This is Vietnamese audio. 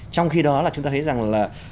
trong khi đó chúng ta thấy rằng là